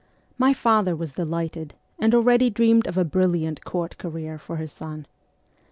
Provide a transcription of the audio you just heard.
My father was delighted, and already dreamed of a brilliant court career for his son.